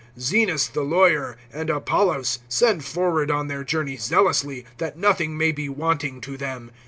(13)Zenas the lawyer, and Apollos, send forward on their journey zealously, that nothing may be wanting to them.